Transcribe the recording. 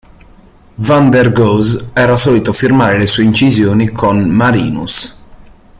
Van der Goes era solito firmare le sue incisioni con "Marinus".